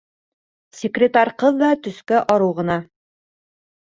Секретарь ҡыҙ ҙа төҫкә арыу ғына.